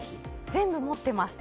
全部持っています。